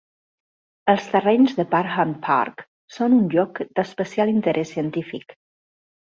Els terrenys de Parham Park són un lloc d'especial interès científic.